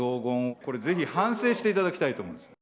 これ、ぜひ反省していただきたいと思うんです。